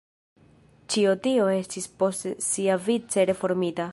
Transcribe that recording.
Ĉio tio estis poste siavice reformita.